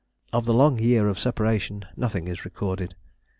Of the long year of separation, nothing is recorded.